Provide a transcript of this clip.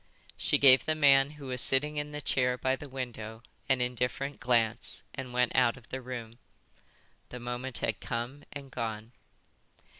She gave the man who was sitting in the chair by the window an indifferent glance, and went out of the room. The moment had come and gone.